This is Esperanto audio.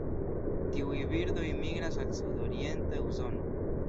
Tiuj birdoj migras al sudorienta Usono.